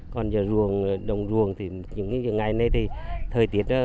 còn vừa ruồng đồng ruồng thì những ngày này thì